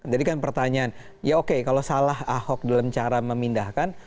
jadi kan pertanyaan ya oke kalau salah ahok dalam cara memindahkan